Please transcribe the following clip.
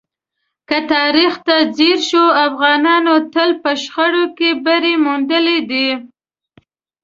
که تاریخ ته ځیر شو، افغانانو تل په شخړو کې بری موندلی دی.